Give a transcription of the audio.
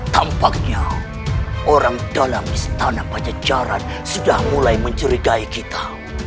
tampaknya orang dalam istana pajajaran sudah mulai mencurigai kita